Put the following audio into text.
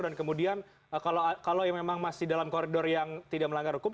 dan kemudian kalau memang masih dalam koridor yang tidak melanggar hukum